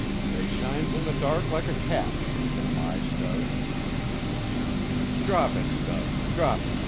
"They shines in the dark like a cat's them eyes does." "Drop it, Stubbs! Drop it!